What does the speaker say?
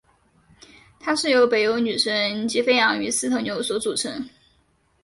它是由北欧女神吉菲昂与四头牛所组成。